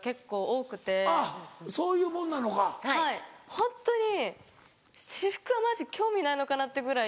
ホントに私服はマジ興味ないのかなっていうぐらい。